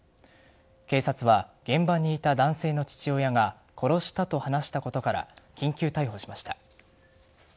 警察は現場にいた男性の父親が殺したと話したことから緊急逮捕しました。